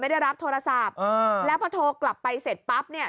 ได้รับโทรศัพท์อ่าแล้วพอโทรกลับไปเสร็จปั๊บเนี่ย